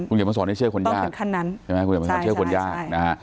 คุณเหยียบมาสอนให้เชื่อคนยากต้องถึงขั้นนั้นใช่ไหมคุณเหยียบมาสอนให้เชื่อคนยาก